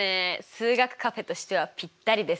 数学カフェとしてはぴったりですね。